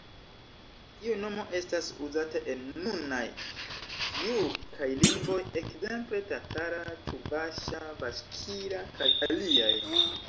Tiu nomo estas uzata en nunaj tjurkaj lingvoj, ekzemple tatara, ĉuvaŝa, baŝkira kaj aliaj.